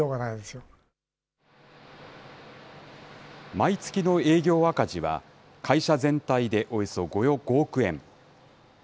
毎月の営業赤字は、会社全体でおよそ５億円。